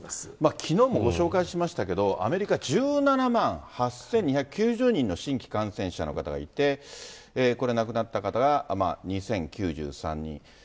きのうもご紹介しましたけれども、アメリカ、１７万８２９０人の新規感染者の方がいて、これ、亡くなった方が２０９３人。